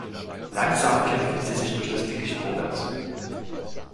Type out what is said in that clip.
Langsam kämpften sie sich durch das Dickicht vorwärts.